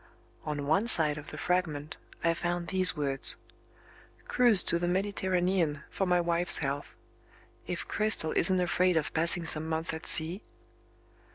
On one side of the fragment, I found these words: "... cruise to the Mediterranean for my wife's health. If Cristel isn't afraid of passing some months at sea..."